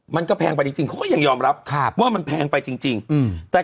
ไม่โทรเอ่ยสละอู่เอ่ย๕๐๐๐๐๐บาทเลยเหรอ